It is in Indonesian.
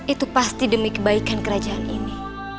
itu pasti demi kebaikan kerajaan ini